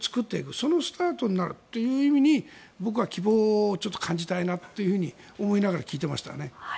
そのスタートになるという意味に僕は希望を感じたいなと思いながら聞いてましたね。